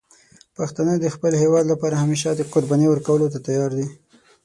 پښتانه د خپل هېواد لپاره همیشه د قربانی ورکولو ته تیار دي.